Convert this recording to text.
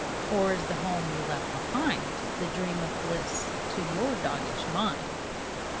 Or is the home you left behind The dream of bliss to your doggish mind?